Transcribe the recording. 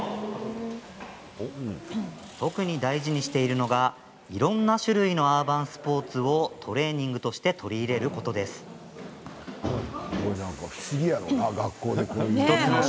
特に大事にしているのがいろんな種類のアーバンスポーツをトレーニングとして不思議だろうね。